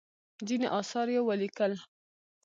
ځینې اثار یې ولیکل.